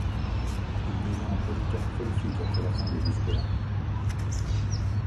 Il devient un producteur prolifique après la fin de Despair.